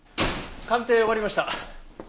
鑑定終わりました。